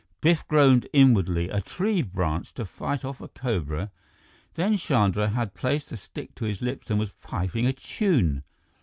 Biff groaned inwardly. A tree branch to fight off a cobra! Then Chandra had placed the stick to his lips and was piping a tune.